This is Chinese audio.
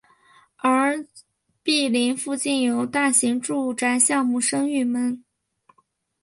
而毗邻附近有大型住宅项目升御门。